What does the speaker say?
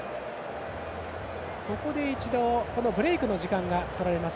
ここで一度ブレークの時間がとられます。